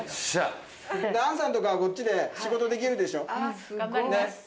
安さんとかはこっちで仕事できるでしょねっ。